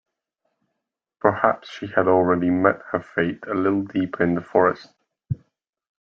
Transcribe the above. Perhaps she had already met her fate a little deeper in the forest.